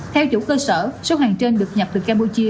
theo chủ cơ sở số hàng trên được nhập từ campuchia